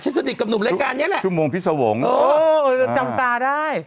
ฉันสนิทกับหนุ่มรายการนี้แหละชั่วโมงพี่สวงโอ้โฮชั่วโมงพี่สวงจำตาได้